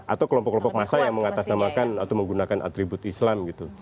atau kelompok kelompok massa yang mengatasnamakan atau menggunakan atribut islam gitu